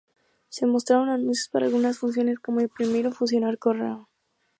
Se mostrarán anuncios para algunas funciones como imprimir o fusionar correo.